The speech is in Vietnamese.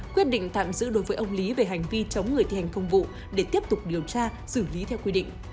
quyết định tạm giữ đối với ông lý về hành vi chống người thi hành công vụ để tiếp tục điều tra xử lý theo quy định